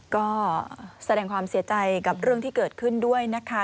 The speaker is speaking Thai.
ก็แสดงความเสียใจกับเรื่องที่เกิดขึ้นด้วยนะคะ